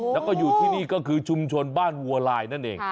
แล้วก็อยู่ที่นี่ก็คือชุมชนบ้านวัวลายนั่นเอง